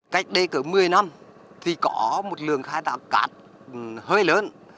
cách đây cỡ một mươi năm thì có một lường khai thác cát hơi lớn